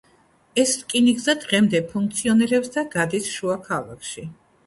ეს რკინიგზა დღემდე ფუნქციონირებს და გადის შუა ქალაქში.